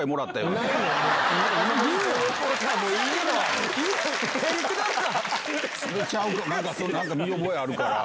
なんか見覚えあるから。